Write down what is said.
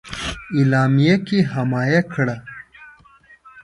اعلامیه کې حمایه کړه.